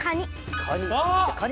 カニ。